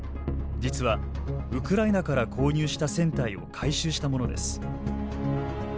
実は、ウクライナから購入した船体を改修したものです。